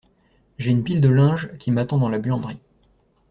J’ai une pile de linge qui m’attend dans la buanderie.